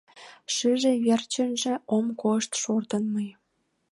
Шыже верчынже ом кошт шортын мый